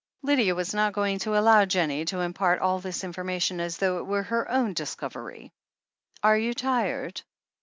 Lydia was not going to allow Jennie to impart all this information as though it were her own discovery. "Are you tired?